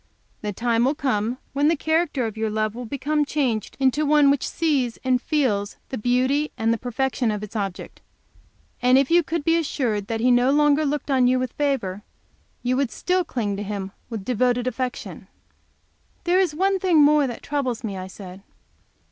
The time will come when the character of your love will become changed into one which sees and feels the beauty and the perfection of its object, and if you could be assured that He no longer looked on you with favor, you would still cling to Him with devoted affection." "There is one thing more that troubles me," I said.